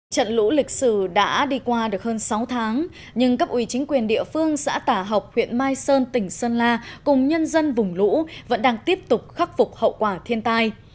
trận lũ lịch sử đã đi qua được hơn sáu tháng nhưng cấp ủy chính quyền địa phương xã tả học huyện mai sơn tỉnh sơn la cùng nhân dân vùng lũ vẫn đang tiếp tục khắc phục hậu quả thiên tai